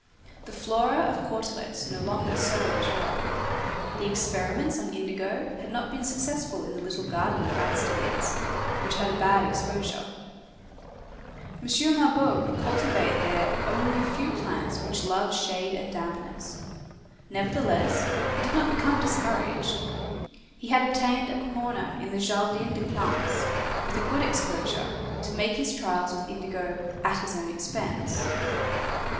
The Flora of Cauteretz no longer sold at all. The experiments on indigo had not been successful in the little garden of Austerlitz, which had a bad exposure. M. Mabeuf could cultivate there only a few plants which love shade and dampness. Nevertheless, he did not become discouraged. He had obtained a corner in the Jardin des Plantes, with a good exposure, to make his trials with indigo "at his own expense."